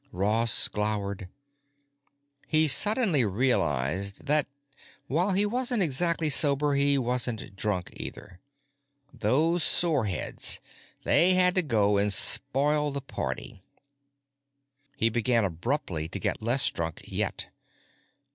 Ross glowered. He suddenly realized that, while he wasn't exactly sober, he wasn't drunk either. Those soreheads, they had to go and spoil the party.... He began abruptly to get less drunk yet.